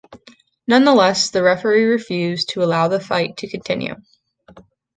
Nonetheless, the referee refused to allow the fight to continue.